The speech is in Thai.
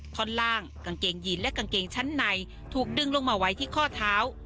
ท่อนล่างกางเกงยีนและกางเกงชั้นในถูกดึงลงมาไว้ที่ข้อเท้า